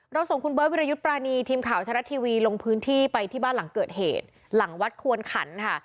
เราส่งคุณเบ้าร์วิรัยุชปราณีทรีย์ทีมข่าวชนัททีวีไปเผาที่บ้านหลังเกิดเหตุหลังวัสด์ควนขัณฑ์